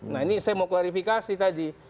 nah ini saya mau klarifikasi tadi